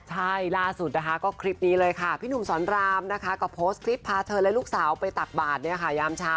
ใช่ล่าสุดก็คลิปนี้เลยค่ะพี่หนุ่มสอนรามห์ก็โพสต์คลิปพาเธอและลูกสาวไปตากบาดยามเช้า